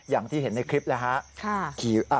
อย่างที่เห็นในคลิปนะคะ